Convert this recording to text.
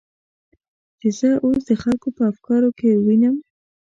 چې زه اوس د خلکو په افکارو کې وینم.